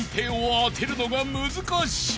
当てるのが難しい］